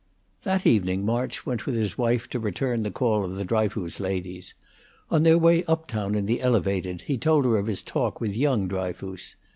That evening March went with his wife to return the call of the Dryfoos ladies. On their way up town in the Elevated he told her of his talk with young Dryfoos.